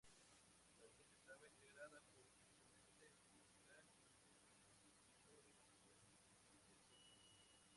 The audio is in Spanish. La audiencia estaba integrada por un presidente, un fiscal y oidores quienes impartían justicia.